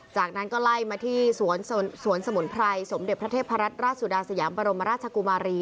จากนั้นก็ไล่มาที่สวนสมุนไพรสมเด็จพระเทพรัตนราชสุดาสยามบรมราชกุมารี